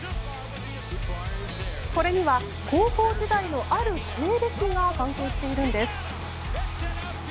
これには高校時代のある経歴が関係しているんです。